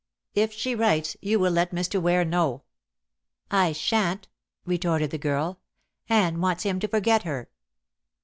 "If she writes, you will let Mr. Ware know." "I shan't," retorted the girl. "Anne wants him to forget her."